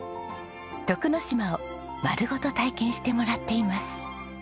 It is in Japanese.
徳之島を丸ごと体験してもらっています。